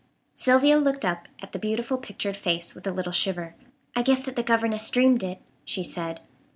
Sylvia looked up at the beautiful pictured face with a little shiver. "I guess that the governess dreamed it," she said.